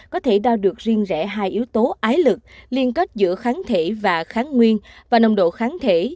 có thể đo được riêng rẻ hai yếu tố ái lực liên kết giữa kháng thể và kháng nguyên và nồng độ kháng thể